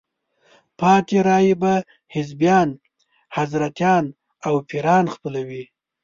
پاتې رایې به حزبیان، حضرتیان او پیران خپلوي.